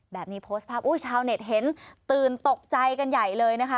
โพสต์ภาพอุ้ยชาวเน็ตเห็นตื่นตกใจกันใหญ่เลยนะคะ